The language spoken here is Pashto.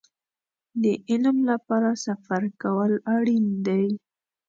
د علم لپاره سفر کول اړين دی.